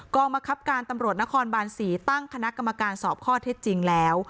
กรรมคับการตำรวจนครบาน๔ตั้งคณะกรรมการสอบข้อเท็จจริงแล้ว